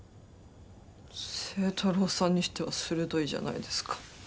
星太郎さんにしては鋭いじゃないですか。